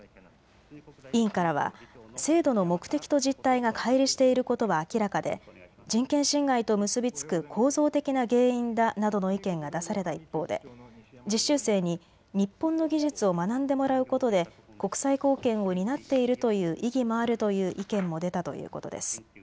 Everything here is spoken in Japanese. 委員からは制度の目的と実態がかい離していることは明らかで人権侵害と結び付く構造的な原因だなどの意見が出された一方で実習生に日本の技術を学んでもらうことで国際貢献を担っているという意義もあるという意見も出たということです。